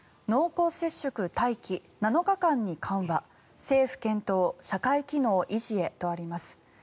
濃厚接触待機７日間に緩和政府検討、社会機能維持へとあります。